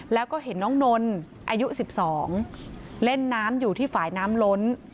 แล้วก็เห็นน้องนนอายุ๑๒เล่นน้ำอยู่ที่ฝ่ายน้ำล้น